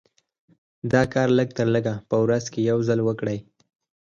دا کار لږ تر لږه په ورځ کې يو ځل وکړئ.